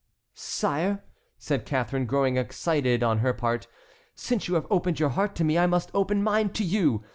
"Sire," said Catharine, growing excited on her part, "since you have opened your heart to me I must open mine to you.